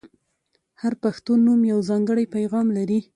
• هر پښتو نوم یو ځانګړی پیغام لري.